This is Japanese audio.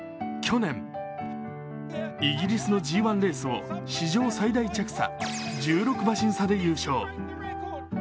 去年、イギリスのＧⅠレースを史上最大着差、１６馬身差で優勝。